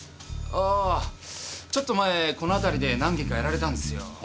あぁちょっと前この辺りで何軒かやられたんですよ。